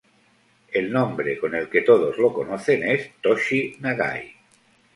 El nombre con el que todos lo conocen es "Toshi Nagai".